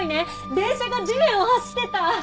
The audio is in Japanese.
電車が地面を走ってた！